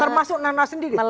termasuk nana sendiri